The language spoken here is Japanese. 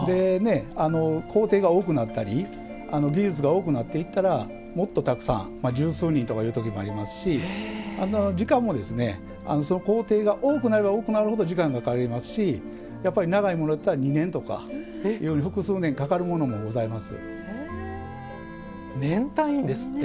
工程が多くなったり技術が多くなっていったらもっとたくさん十数人という時もありますし時間も工程が多くなればなるほど時間がかかりますし長いものだったら２年とか複数年かかるものもございます。